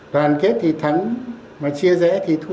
đoàn kết thì thắng mà chia rẽ thì thua